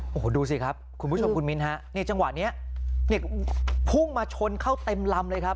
โอ้โหดูสิครับคุณผู้ชมคุณมิ้นฮะนี่จังหวะนี้เนี่ยพุ่งมาชนเข้าเต็มลำเลยครับ